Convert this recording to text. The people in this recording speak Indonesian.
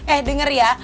eh denger ya